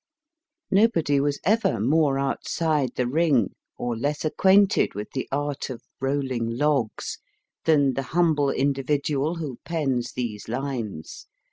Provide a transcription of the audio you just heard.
Nobody was ever more outside the ring, or less acquainted with the art of * rolling logs/ than the humble individual who pens these lines.